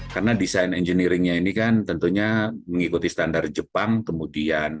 karena desain engineeringnya ini kan tentunya mengikuti standar jepang kemudian